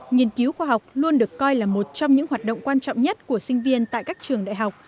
nghiên cứu khoa học luôn được coi là một trong những hoạt động quan trọng nhất của sinh viên tại các trường đại học